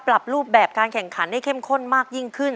ปรับรูปแบบการแข่งขันให้เข้มข้นมากยิ่งขึ้น